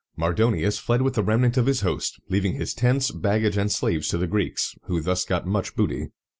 Mardonius fled with the remnant of his host, leaving his tents, baggage, and slaves to the Greeks, who thus got much booty.